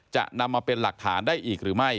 จะนำมาเป็นหลักฐานได้อีกหรือไม่